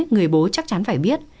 người bố chắc chắn phải biết